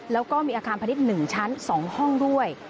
แล้วก็มีอาคารพาณิชย์๑ชั้น๒ห้องด้วย